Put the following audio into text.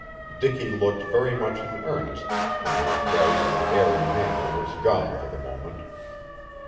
Dicky looked very much in earnest, and his bright and airy manner was gone for the moment.